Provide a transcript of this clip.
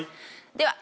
では。